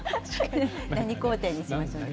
何皇帝にしましょうか。